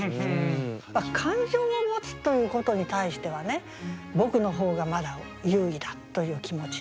感情を持つということに対しては僕の方がまだ優位だという気持ち。